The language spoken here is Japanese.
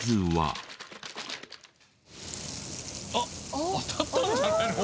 あっ当たったんじゃないの？